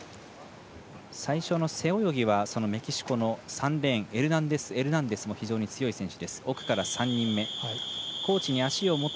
最初の背泳ぎはメキシコの３レーンエルナンデスエルナンデスも非常に強い選手。